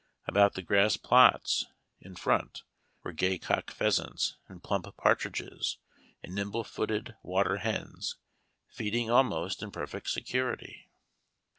About the grass plots in front, were gay cock pheasants, and plump partridges, and nimble footed water hens, feeding almost in perfect security.